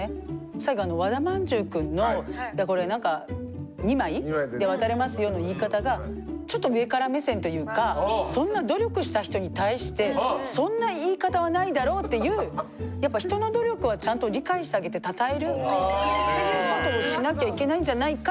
最後和田まんじゅうくんの「２枚で渡れますよ」の言い方がちょっと上から目線というかそんな努力した人に対してそんな言い方はないだろうっていうやっぱ人の努力はちゃんと理解してあげて称えるっていうことをしなきゃいけないんじゃないかっていうのも思いましたね。